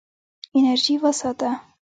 انرژي وساته.